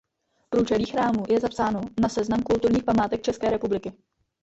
Průčelí chrámu je zapsáno na seznam kulturních památek České republiky.